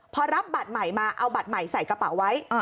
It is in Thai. พอรับบัตรใหม่มาเอาบัตรใหม่ใส่กระเป๋าไว้